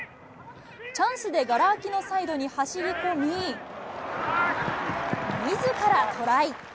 チャンスでがら空きのサイドに走り込み、みずからトライ。